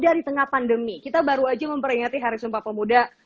dari tengah pandemi kita baru aja memperingati hari sumpah pemuda